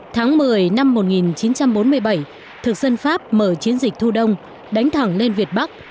tháng một mươi năm một nghìn chín trăm bốn mươi bảy thực dân pháp mở chiến dịch thu đông đánh thẳng lên việt bắc